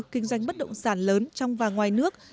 kinh doanh bất động sản lớn trong và ngoài nước